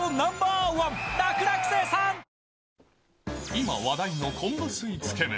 今、話題の昆布水つけ麺。